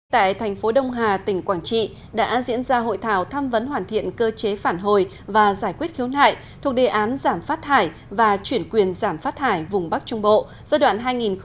tại thành phố đông hà tỉnh quảng trị đã diễn ra hội thảo tham vấn hoàn thiện cơ chế phản hồi và giải quyết khiếu nại thuộc đề án giảm phát thải và chuyển quyền giảm phát thải vùng bắc trung bộ giai đoạn hai nghìn một mươi chín hai nghìn hai mươi năm